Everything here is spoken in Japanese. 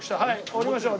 降りましょう。